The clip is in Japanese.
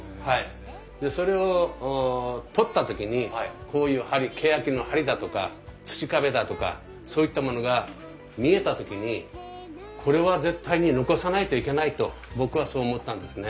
それを取った時にこういうけやきの梁だとか土壁だとかそういったものが見えた時にこれは絶対に残さないといけないと僕はそう思ったんですね。